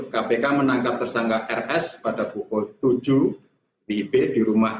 kpk menangkap tersangka rs pada pukul tujuh wib di rumah